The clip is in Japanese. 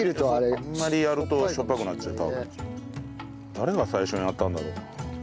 誰が最初にやったんだろう？